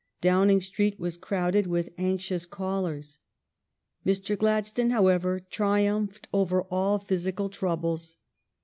Downing Street was crowded with anxious callers." Mr. Gladstone, how ever, triumphed over all physical troubles.